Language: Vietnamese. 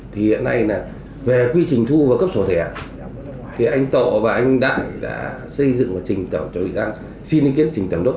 thì hiện nay là về quy trình thu và cấp sổ thẻ thì anh tộ và anh đặng đã xây dựng một trình tẩu cho vị đang xin linh kiến trình tẩm đốt